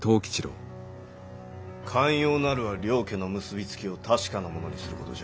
肝要なるは両家の結び付きを確かなものにすることじゃ。